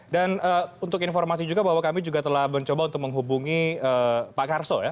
dan untuk informasi juga bahwa kami juga telah mencoba untuk menghubungi pak karso ya